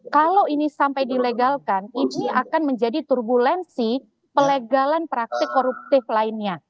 kalau ini sampai dilegalkan ini akan menjadi turbulensi pelegalan praktik koruptif lainnya